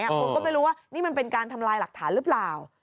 ผมก็ไม่รู้ว่านี่มันเป็นการทำลายหลักฐานหรือเปล่า